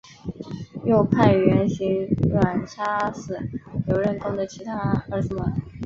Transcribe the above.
又派元行钦杀死刘仁恭的其他儿子们。